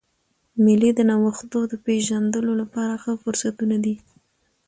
مېلې د نوښتو د پېژندلو له پاره ښه فرصتونه دي.